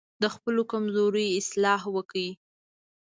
د خپلو کمزورۍ اصلاح وکړئ.